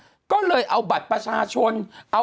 คุณหนุ่มกัญชัยได้เล่าใหญ่ใจความไปสักส่วนใหญ่แล้ว